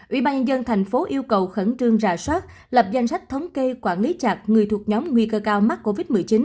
ủy ban nhân thành phố yêu cầu khẩn trương rà soát lập danh sách thống kê quản lý chặt người thuộc nhóm nguy cơ cao mắc covid một mươi chín